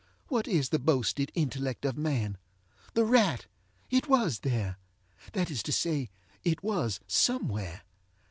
what is the boasted intellect of man? The rat! ŌĆöit was thereŌĆöthat is to say, it was somewhere.